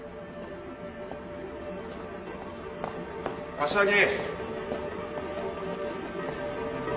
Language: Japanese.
柏木！